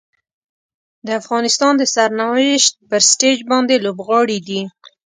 د افغانستان د سرنوشت پر سټیج باندې لوبغاړي دي.